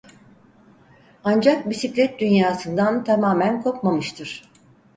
Ancak bisiklet dünyasından tamamen kopmamıştır.